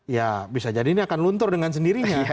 ya bisa jadi ini akan luntur dengan sendirinya